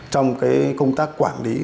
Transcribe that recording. trong công tác quản lý